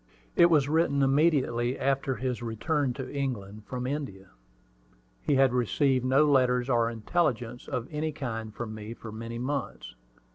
It was written immediately after his return to England from India. He had received no letters or intelligence of any kind from me for many months.